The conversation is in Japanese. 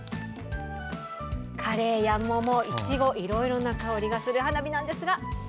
カレーや桃、イチゴいろいろな香りがする花火です。